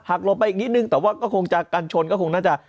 หักหลบไปอีกนิดหนึ่งแต่ว่ากันชนก็คงน่าจะ